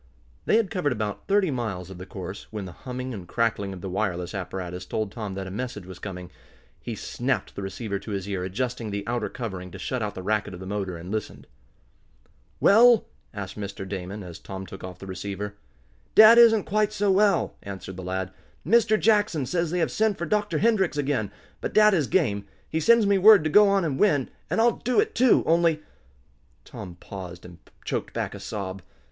They had covered about thirty miles of the course, when the humming and crackling of the wireless apparatus told Tom that a message was coming. He snapped the receiver to his ear, adjusting the outer covering to shut out the racket of the motor, and listened. "Well?" asked Mr. Damon, as Tom took off the receiver. "Dad isn't quite so well," answered the lad. "Mr. Jackson says they have sent for Dr. Hendrix again. But dad is game. He sends me word to go on and win, and I'll do it, too, only " Tom paused, and choked back a sob.